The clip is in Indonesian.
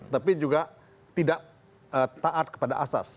tapi juga tidak taat kepada asas